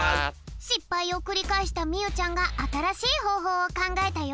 しっぱいをくりかえしたみゆちゃんがあたらしいほうほうをかんがえたよ。